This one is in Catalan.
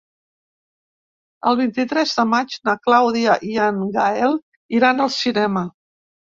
El vint-i-tres de maig na Clàudia i en Gaël iran al cinema.